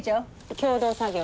共同作業。